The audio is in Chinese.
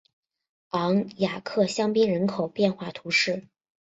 昂雅克香槟人口变化图示